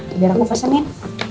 biar aku pesenin